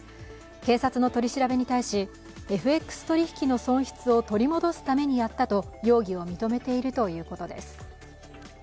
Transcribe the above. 警察の取り調べに対し、ＦＸ取引の損失を取り戻すためにやったと容疑を認めているということです。